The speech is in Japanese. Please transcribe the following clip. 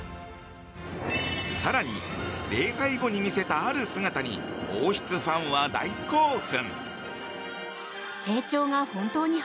更に、礼拝後に見せたある姿に王室ファンは大興奮！